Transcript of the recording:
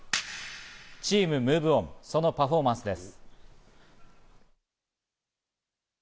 チームＭｏｖｅＯｎ、そのパフォーマンスです。